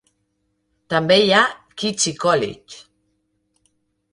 També hi ha Keachie College.